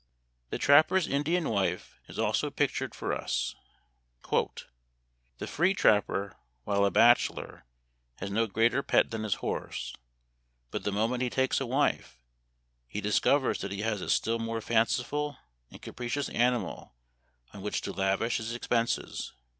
The trapper's Indian wife is also pictured for us :" The free trapper, while a bachelor, has no greater pet than his horse ; but the moment he takes a wife, he discovers that he has a still more fanciful and capricious animal on which to lavish his expenses.